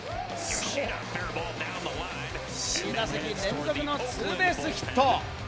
２打席連続のツーベースヒット。